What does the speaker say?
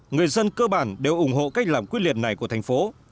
người dân cơ bản đều ủng hộ cách làm quyết liệt này của thành phố